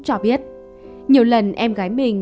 cho biết nhiều lần em gái mình